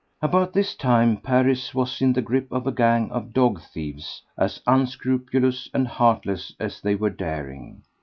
About this time Paris was in the grip of a gang of dog thieves as unscrupulous and heartless as they were daring.